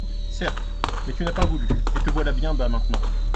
Certes, mais tu n'as pas voulu, et te voilà bien bas maintenant.